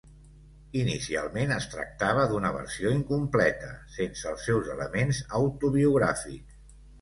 Inicialment es tractava d'una versió incompleta, sense els seus elements autobiogràfics.